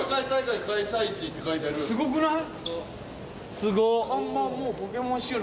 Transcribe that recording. すごくない？